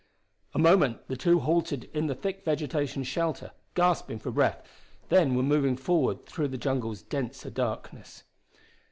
A moment the two halted in the thick vegetation's shelter, gasping for breath, then were moving forward through the jungle's denser darkness.